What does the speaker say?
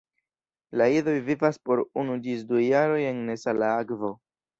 La idoj vivas por unu ĝis du jaroj en nesala akvo.